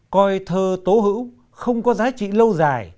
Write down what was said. coi thơ tố hữu không có giá trị lâu dài